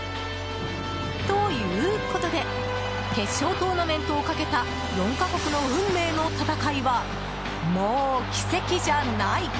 ということで決勝トーナメントをかけた４か国の運命の戦いはもう奇跡じゃない！